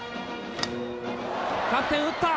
キャプテン打った！